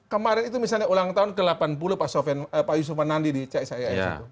kemarin itu misalnya ulang tahun ke delapan puluh pak yusuf mandi di saya